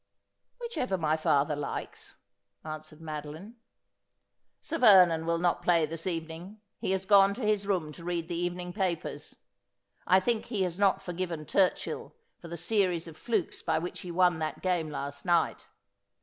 ' Whichever my father likes,' answered Madoline. ' Sir Vernon will not play this evening. He has gone to his room to read the evening papers. I think he has not forgiven Turchill for the series of flukes by which he won that game last night.